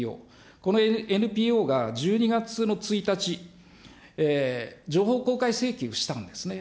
このＮＰＯが１２月の１日、情報公開請求をしたんですね。